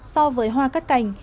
so với hoa cắt cành